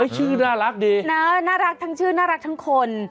ชื่อน่ารักดีน่ารักทั้งชื่อน่ารักทั้งคน